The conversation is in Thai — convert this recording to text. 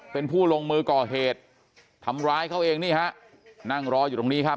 เป็นผู้ลงมือก่อเหตุทำร้ายเขาเองนี่ฮะนั่งรออยู่ตรงนี้ครับ